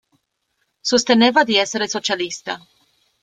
Sosteneva di essere socialista.